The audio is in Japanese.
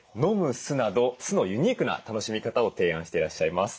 酢など酢のユニークな楽しみ方を提案していらっしゃいます。